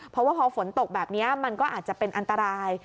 เพราะว่าพอฝนตกแบบนี้มันก็อาจจะเป็นอันตราย